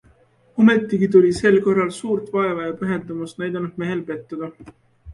Ometigi tuli sel korral suurt vaeva ja pühendumust näidanud mehel pettuda...